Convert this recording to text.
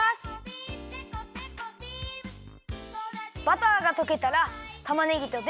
バターがとけたらたまねぎとベーコンをいれて。